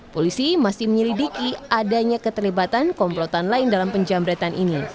polisi masih menyelidiki adanya keterlibatan komplotan lain dalam penjambretan ini